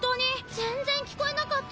全然聞こえなかった。